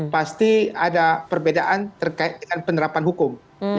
pasti ada perbedaan terkait dengan penerapan hukum